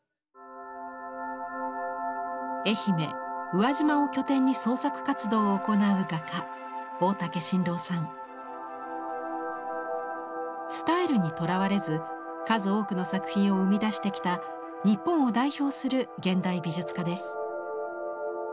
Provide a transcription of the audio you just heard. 愛媛・宇和島を拠点に創作活動を行うスタイルにとらわれず数多くの作品を生み出してきた日本を代表する現代美術家です。